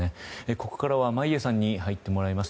ここからは眞家さんに入ってもらいます。